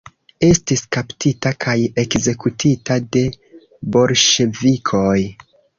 Estis kaptita kaj ekzekutita de bolŝevikoj.